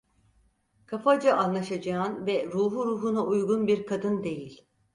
Kafaca anlaşacağın ve ruhu ruhuna uygun bir kadın değil!